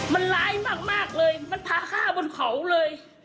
มันร้ายมากเลยมันพาฆ่าบนเขาเลย